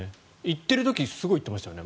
行っている時すごい行ってましたよね？